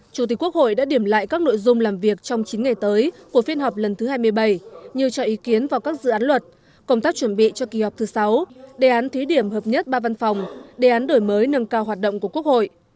chủ tịch quốc hội đã điểm lại các nội dung làm việc trong chín ngày tới của phiên họp lần thứ hai mươi bảy như cho ý kiến vào các dự án luật công tác chuẩn bị cho kỳ họp thứ sáu đề án thí điểm hợp nhất ba văn phòng đề án đổi mới nâng cao hoạt động của quốc hội